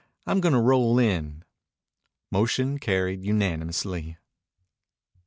I'm gonna roll in." Motion carried unanimously.